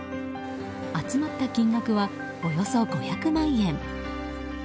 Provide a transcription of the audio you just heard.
集まった金額はおよそ５００万円。